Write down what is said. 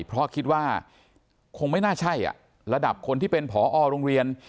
เพราะคิดว่าคงไม่น่าใช่ระดับคนที่เป็นผอโรงเรียน